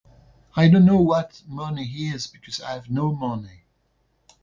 I don't know what money is, because I have no money.